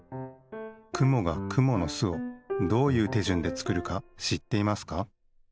くもがくものすをどういうてじゅんでつくるかしっていますか？